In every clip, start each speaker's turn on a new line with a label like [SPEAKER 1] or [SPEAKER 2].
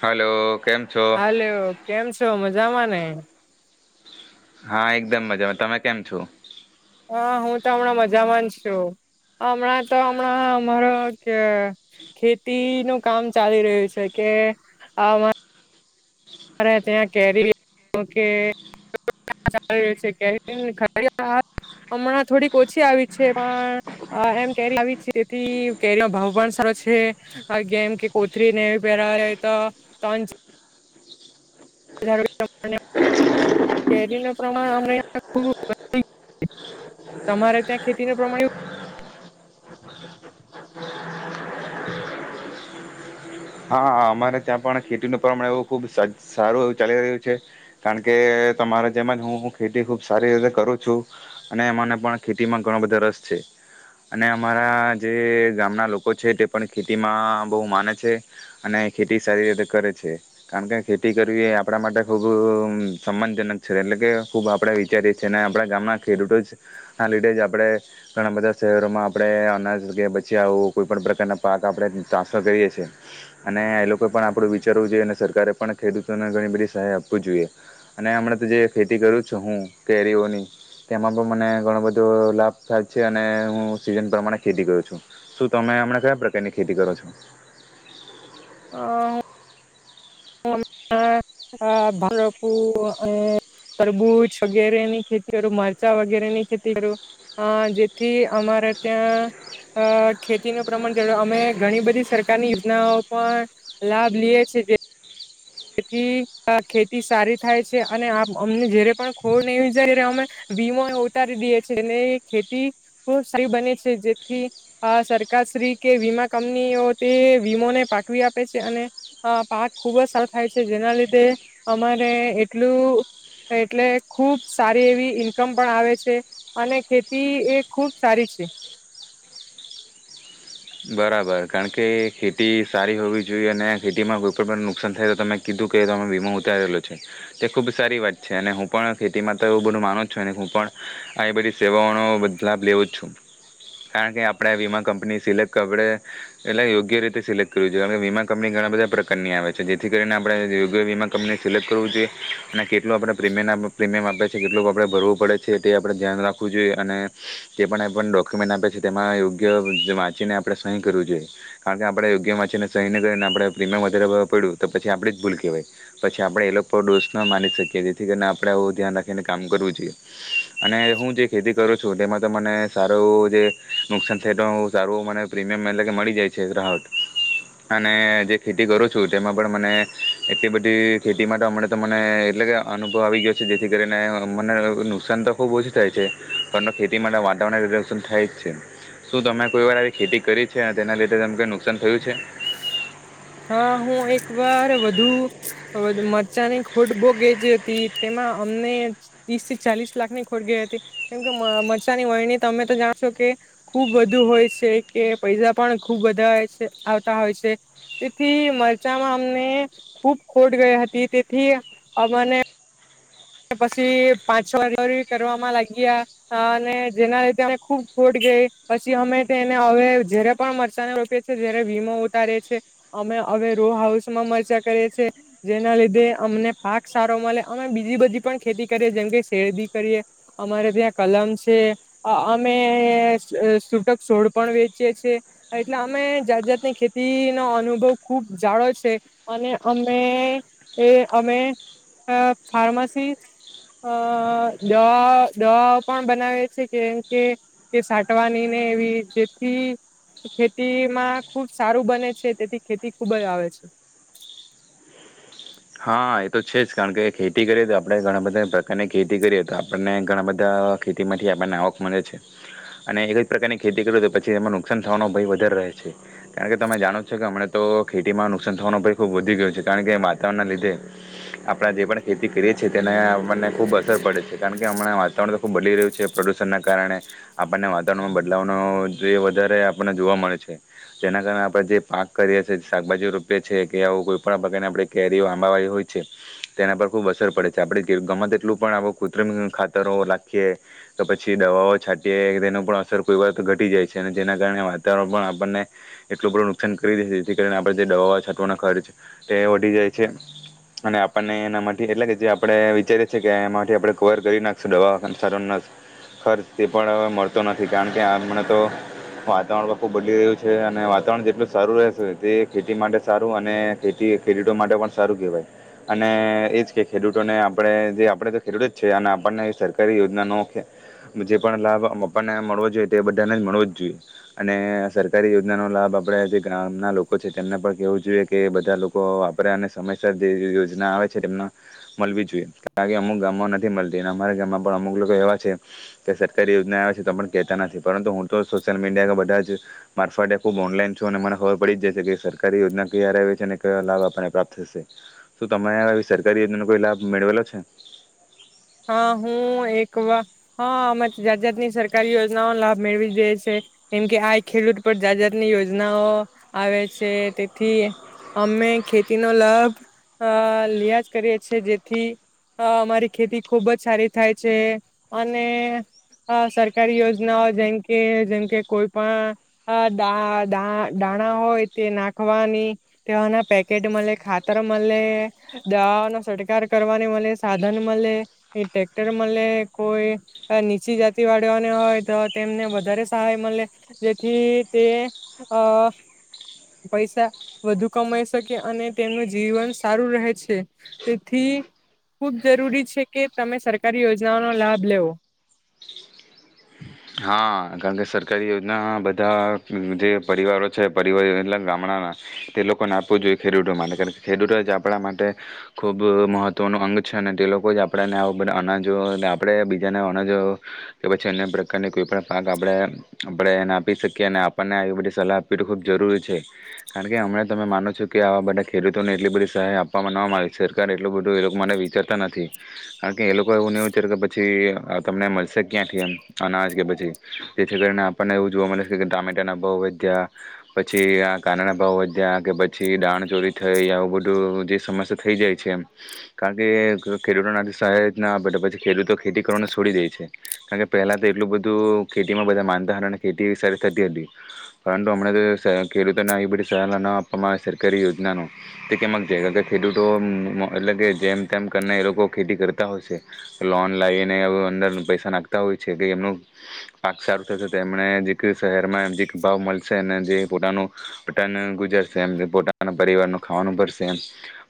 [SPEAKER 1] Hello. કેમ છો
[SPEAKER 2] hello કેમ છે. છો મજામાંને.
[SPEAKER 1] હા એકદમ મજામાં તમે કેમ છો.
[SPEAKER 2] હા હું તો હમણાં મજામાંન છું હમણાં તો હમણાં અમારો કે ખેતી નું કામ ચાલી રહ્યું છે કે આ અરે ત્યાં કેરી કે રહ છે કે હમણાં થોડીક ઓછી આવી છે પણ એમ કેરી આવી તેથી કેરીનો ભાવ પણ સારો છે જેમ કે કોથરી નેવી પહેરા તો [unintelligible] ન પ્રમાણ [unintelligible] તમારે ત્યાં ખેતીનું પ્રમાણવું.
[SPEAKER 1] હા અમારે ત્યાં પણ ખેતીનું પ્રમાણ એવું ખૂબ સારું એવું ચાલી રહ્યું છે કારણ કે તમારા જેમ જ હું ખેતી ખૂબ સારી રીતે કરું છું અને મને પણ ખેતીમાં ઘણો બધો રસ છે અને અમારા જે ગામના લોકો છે તે પણ ખેતીમાં બહુ માને છે. અને ખેતી સારી રીતે કરે છે કારણ કે ખેતી કરવી એ આપણા માટે ખૂબ સમાનજનક છે એટલે કે ખૂબ આપણે વિચારીએ છીએ અને આપણા ગામના ખેડૂતો જના લીધે જ આપણે ઘણાં બધા શહેરોમાં આપણે અનાજગ બચી આવું કોઈપણ પ્રકારના પાક આપણે ટ્રાન્સફર કરીએ છીએ. અને એ લોકોએ પણ આપણું વિચારવું જોઈએ અને સરકારે પણ ખેડૂતોને ઘણી બધી સહાય આપવી જોઈએ અને હમણે તો જે ખેતી કર્યું છ હું કેરીઓની તેમાં પણ મને ઘણો બધો લાભ થાય છે અને હું સીઝન પ્રમાણે ખેતી કરું છું શું તમે હમણા કયા પ્રકારની ખેતી કરો છો.
[SPEAKER 2] [inaudible] ભપુ તરબૂજ વગેરે ની ખેતી કરું મરચા વગેરેની ખેતી કરું જેથી અમારે ત્યાં ખેતી ન પ્રમાણ અમે ઘણી બધી સરકારની યોજનાઓ પણ લાભ લઈએ છેએ. તેથી ખેતી સારી થાય છે અને અમને જયારે પણ ખોડ નહી જાય અમે વીમો ઉતારી દઈએ છી અને ખેતી ખ સારી બને છે જેથી સરકારશ્રી કે વીમા કંપનીઓ તે વીમોને પાઠવી આપે છે અને પાક ખુબ જ સાર. થાય છે જેના લીધે અમારે એટલું એટલે ખુબ સારી એવી ઈન્કમ પણ આવે છે અને ખેતી એ ખૂબ સારી છે.
[SPEAKER 1] બરાબર કારણ કે ખેતી સારી હોવી જોઈએ અને ખેતીમાં કોઈ પણ નુકસાન થાય તો તમે કીધું કે તો અમે વીમો ઉતારેલો છે તે ખૂબ સારી વાત છે અને હું પણ ખેતીમાં તો એવું બધું માનો જ છું ને હું પણ આ એ બધી સેવાઓનો બદલાભ લેવો જ છું કારણ કે આપણે વીમા કંપની સિલેક્ટ. કપડ એલા યોગ્ય રીતે સિલેક્ટ કરવી જોઈએ કારણ કે વીમા કંપની ઘણા બધા પ્રકારની આવે છે જેથી કરીને આપણે યોગ્ય વીમા કંપની સિલેક્ટ કરવું જોઈએ અને કેટલું આપણે પ્રીમિયમ આપ પ્રીમિયમ આપે છે કેટલું આપણે ભરવું પડે છે એ તે આપણે ધ્યાન રાખવું જોઈએ અને તે પણ એ પણ ડોક્યુમેન્ટ આપે છે તેમાં યોગ્ય વાંચીને આપણે. આપણે સહી કરવી જોઈએ કારણ કે આપણેે યોગ્ય માં છેને સહી ન કરીને આપણે પ્રીમિયમ વધારે ભ પડ્યું પી આપણે જ ભૂલ કહેવાય પછી આપણે એ ડોસ ન માની શકીએ જેથી કરીને આપણે આવ ધ્યાન રાખીને કામ કરવું જોઈએ અને હું જે ખેતી કરું છું તેમાં તો મને સારું જે નુકસાન થાય તો હ સારું મને પ્રીમિયમ એટલે કે મળી જાય છે રાહટ અને જે ખેતી કરું છું તેમાં પણ મને એટલી બધી ખેતી માટે અમણાં તો મને એટલે કે અનુભવ આવી ગયો છે જેથી કરીને મને નુકસાન તો ખૂબ ઓછું થાય છે પણ તો ખેતી માટે વાતાવરણુશન થાય જ છે શું તમે કોઈ વાર આવી ખેતી કરી છે અને તેના લીધે તમ નુકસાન થયું છે
[SPEAKER 2] હા હું એક વારુ વધુ મરચાની ખોટ બહ ગઈ જે હતી તેમાં અમને ત્રીસ થી ચાલીસ લાખની ખોટ ગઈ હતી કેમકે મરચાની વરણી તમે તો જાણશો કે ખુબ વધુ હોય છે કે પૈસા પણ ખુબ વધારે છે. હોય છે તેથી મરચામાં અમને ખૂબ ખોટ ગઈ હતી તેથી અને પછી પાંચ હરી કરવામાં લાગયા અને જેના લીધે અમે ખુબ ખોટ ગઈ પછી અમે તેને હવે જયારે પણ મરચાને રોપીએીએ જારે વીમો ઉતારીએ છી અમે હવે રો હાઉસમાં મરચાં કરીએીએ જેના લીધે અમને પાક સારો મળે અમે બીજી બધી ખે કરીએ જેમ કે શેરદી કરીએ અમારે ત્યાં કલમ છે અમે સૂટક છોડ પણ વેચીએ છી એટલે અમે જાત જાતની ખેતી નો અનુભવ ખુબ જાળો છે અને અમે એ અમે ફાર્માસી અ દવા દવાઓ પણ બનાવે છે કેમ કે તે સાટવાની ને એવી જેથી ખેતીમાં ખુબ સારું બને છે તેથી ખેતી ખૂબ જ આવે છે.
[SPEAKER 1] હા એ તો છે જ કારણ કે ખેતી કરીએ તો આપણે ઘણા બધા પ્રકારની ખેતી કરીએ તો આપણને ઘણા બધા ખેતી માંથી આપણને આવક મળે છે અને એક જ પ્રકારની ખેતી કરીએ તો પછી એમાં નુકસાન થવાનો ભય વધારે રહે છે કારણ કે તમે જાણો છો કે હમણા તો ખેતીમાં નુકસાન થવાનો ભય ખૂબ વધી ગયો છે કારણ કે વાત ના લીધે આપણે જે પણ ખેતી કરીએ છીએ તેને આપણને ખૂબ અસર પડે છે કારણ કે કે હમણાં વાતાવરણ તો ખુબ બદલી રહ્યું છે પ્રદુષણ ના કારણે આપણને વાતાવરણમાં બદલાવનો જે વધારે આપણને જોવા મળે છે જેના કારણે આપણે જે પાક કરીએ છીએ શાકભાજી રોપએી કે આવ કોઈ પણ પ્રકારને આપણે કેરી આંબાવાળ હોય છે તેના પર ખૂબ અસર પડે છે આપણે ગમત એટલું પણ આપણે કૃત્રિમ ખાતરો રાખીએ તો પછી દવાઓ છાંટીએ તેનો પણ અસર કોઈ વખત ઘટી જાય છે અને જેના કારણે વાતાવરણ પણ આપણને એટલું બું નુકસાન કરી દે જેથી કરીણે આપણે જે દવાઓ છાંટવાનો ખર્ચ તે જાય છે અને આપણને એના માટેથી એટલે કે જે આપણે વિચારીએ છીએ કે એમાંથી આપણે કવર કરી નાખશું દવાા સારો ખર્ચ તે પણ હવે મળતો નથી કારણ કે હમણાં તો વાતાવરણ આખું બદલી રહ્યું છે અને વાતાવરણ જેટલું સારું રહેશે તે ખેતી માટે સારું અને ખેતી ખેડૂતો માટે પણ સારું કહેવાય અને એ જ કે ખેડૂતોને આપણે જે આપણે તો ખેડૂતો જ છે અને આપણને સરકારી યોજનાનો જે પણ લાભ આપણને મળવો જોઈએ તે બધાને જ મળવો જ જોઈએ અને સરકારી યોજનાનો લાભ આપણે જે ગામના લોકો છે તેમને પણ કહેવું જોઈએ કે બધા લોકો વાપરે અને સમયસર જે યોજના આવે છે તેમને મળવી જોઈએ કારણ કે અમુક ગામો નથી મળતી અને અમારા ગામમાં પણ અમુક લોકો એવા છે કે સરકારી યોજના આવે છે તો પણ કેહેતા નથી પરંતુ હું તો સોશિયલ મીડિયા કે બધા જ મારફતે ખુબ ઓનલાઈન છું અને મને ખબર પડી જ જશે કે સરકારી યોજના ક ર છે. લાભ આપણને પ્રાપ્ત થશે શ તમે સરકારી જનો કોઈ લાભ મેળવેલો છે.
[SPEAKER 2] હા હું એક વાર હા અ જા જાાતની સરકારી યોજના લાભ મેળવી દે છે કેમ કે આ ખેડૂત પણ જા જાાતની યોજનાઓ આવે છે તેથી અમે ખેતીનો લાભ લજ કરીએ છ છેએ જેથી અમારી ખેતી ખૂબ જ સારી થાય છે અને સરકારી યોજનાઓ જેમ કે જેમકે કોઈ પણ દાા દાણા હોય તે નાખવાની તેવાના પેકેટ મળે ખાતર મળે દવાઓનો છટકાર કરવાની મળે સાધન મળે. ટ્રેક્ટર મળે કોઈ નીચી જાતિ વાળીઓને હોય તો તેમને વધારે સહાય મળે જેથી તે પૈસા વધુ કમાઈ શકે અને તેમનું જીવન સારું રહે છે તેથી ખુબ જરૂરી છે. કે તમે સરકારી યોજનાઓનો લાભ લેવો.
[SPEAKER 1] હા કારણ કે સરકારી યોજના બધા જે પરિવારો છે પરવાર એટ ગામડાના તે લોકોને આપવું જોઈએ ખેડૂતો માટે કારણ કે ખેડૂતો જ આપણા માટે ખૂબ મહત્વનું અંગ છે અને તે લોકો જ આપણને બધા અનાજો આપણે બીજાને અનાજો કે પછી અન્ય અનેને કોઈ પણ પાક આપણે આપણે એને આપી શકીએ અને આપણને આવી બધી સલાહ આપવી એ ખૂબ જરૂરી છે કારણ કે હમણાં તમે માનો છો કે આવા બધા ખેડૂતોને એટલી બધી સહાય આપવામાં ન આવી સરકાર એટલું બધું એ લોકો માટે વિચારતા નથી કારણ કે એ લોકો એવું નહીં વિચાર કે પછી તમને મળશે ક્યાંથી એમ અનાજ કે પછી જેથી કરીને આપણને એવું જોવા મળે છે કે ટામેટાના ભાવ વધ્યા પછી આ કાંદના ભાવ વધ્યા કે પછી દાણ ચોરી થઈ આવું બધું જે સમસ્યા થઈ જાય છે એમ કારણ કે ખેડૂતોનાથી સહાય ના પ પછી ખેડૂતો ખેતી કરવાને છોડી દે છે કારણ કે પહેલાં તો એટલું બધું ખેતીમાં બધા માનતા હતા અને ખેતી એ સારી થતી હતી પરંતુ હમણા તો ખેડૂતોને એ બધી સારહ ન આપવામાં આવે સરકારી યોજનાનો તે ખેડૂતો એટલે કે જેમ તેમ કરને એ લોકો ખેતી કરતા હોય છે લોન લાવને અંદર પૈસા નાખતા કે એમનું પાક સારું થશે એમને શહેરમાં ભાવ મળશે જે પોતાનું ગુજરશે પોતાના પરિવાર ન ખાવાનું પશે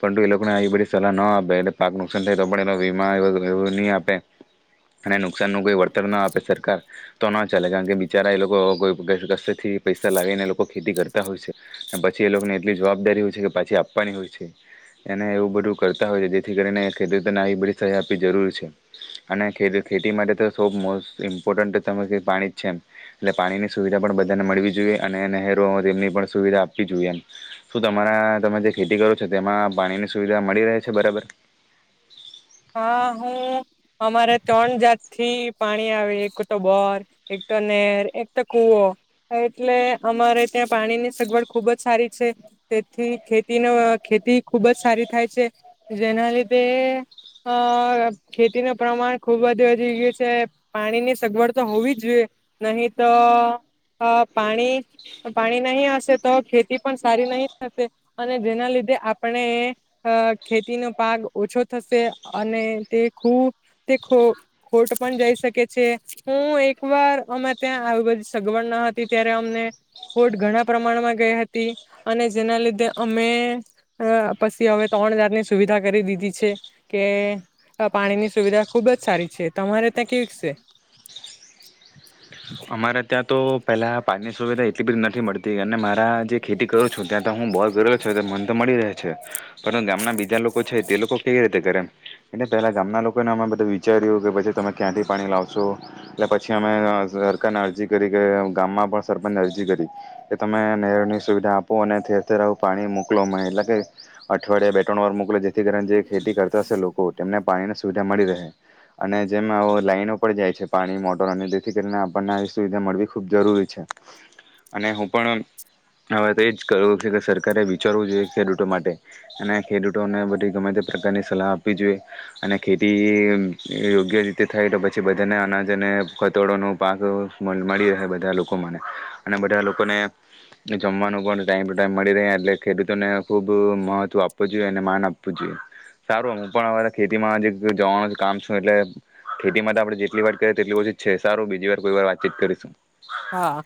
[SPEAKER 1] પરંતુ એ લોકોને આ બધી સલાહ ના આપે એટલે પાક નુકસાન થાય તો પણ એ વીમા એવ નહી આપે નુકસાનનું કોઈ વળતર ના આપે સરકાર તો ના ચાલે કારણ કે બિચારા એ લોકો કોઈ કશેથી પૈસા લાગીને એ લોકો ખેતી કરતા હોય છે અને પછી એ લોકોને એટલી જવાબદારી હોય છે કે પાછી આપવાની હોય છે એને એવું બધું કરતા હોય છે જેથી કરીને ખેડૂતોને આવી બધી સહાય આપવી જરૂરી છે અને ખેડૂત ખેતી માટે તો સૌ મોસ્ટ ઇમ્પોર્ટન્ટ સમ પાણી જ છે એમ એટલે પાણીની સુવિધા પણ બધાને મળવી જોઈએ અને નહેરો તેમની પણ સુવિધા આપવી જોઈએ એમ. શું તમારા તમે જે ખેતી કરો છો તેમાં પાણીની સુવિધા મળી રહે છે બરાબર.
[SPEAKER 2] હા હું અમારે ત્રણ જાતથી પાણી આવે એક તો બોર, એક તો નેર, એક તો કુવો એટલે અમારે ત્યાં પાણીની સગવડ ખુબ જ સારી છે તેથી ખેતીનો ખેતી ખુબ જ સારી થાય છે જેના લીધે અ ખેતીનું પ્રમાણ ખુબ વધુ વધી ગયું છે પાણીની સગવડ તો હોવી જ જોઈએ નહીં તો અ પાણી-પાણી નહી હશે તો ખેતી પણ સારી નહી થશે અને જેના લીધે આપણે અ ખેતીનો પાક ઓછો થશે. અને તે ખુબ તે ખોટ પણ જઈ શકે છે હું એકવાર અમે ત્યાં આવી બધી સગવડ ન હતી ત્યારે અમને ખોટ ઘણા પ્રમાણમાં ગઈ હતી અને જેના લીધે અમે પસી હવે ત્રણ હજારની સુવિધા કરી દીધી છે. કે પાણીની સુવિધા ખુબ જ સારી છે. તમારે ત્યાં કેવીક છે.
[SPEAKER 1] અમારે ત્યાં તો પહેલા પાણીની સુવિધા એટલી બધી નથી મળતી અને મારા જે ખેતી કરું છું ત્યાં તો હું બોર ગરેલો છે તો મન તો મળી રહે છે પરંતુ ગામના બીજા લોકો છે તે લોકો કેવી રીતે કરે એ પહેલા ગામના લોકોને અમે બધું વિચાર્યું કે પછી તમે ક્યાંથી પાણી લાવશો એટલે પછી અમે સરકારને અરજી કરી કે ગામમાં પણ સરપંચને અરજી કરી કે તમે નહેરની સુવિધા આપો અને ઠેર-ઠેર આવું પાણી મોકલો અમ એટલે કે અઠવાડિયા બે-ત્રણ વાર મોકલો જેથી કરીને જે ખેતી કરતા હશે લોકો તેમને પાણીની સુવિધા મળી રહે અને જેમ આવ લાઈનો પર જાય છે પાણી મોટર અને જેથી કરીને આપણને આવી સુવિધા મળવી ખૂબ જરૂરી છે અને હું પણ આ વા તો એ જ કહું કે સરકારે વિચારવું જોઈએ ખેડૂતો માટે અને ખેડૂતોને બધી ગમે તે પ્રકારની સલાહ આપવી જોઈએ અને ખેતી યોગ્ય રીતે થાય તો પછી બધાને અનાજ અને કતોડોનું પાક મળી રહે બધા લોકો મને અને બધા લોકોને જમવાનું પણ ટાઈમ ટુ ટાઈમ મળી રહે એટલે ખેડૂતોને ખુબ મહત્વ આપવું જોઈએ અને માન આપવું જોઈએ સારું હું પણ આ ખેતીમાં હજી જવાનું કામ છું એટલે ખેતી માટે તો આપણે જેટલી વાત કરીએ તેટલી ઓછી છે સારું બીજી વાત તો કોઈ વાર વાતચીત કરીશું.
[SPEAKER 2] હા.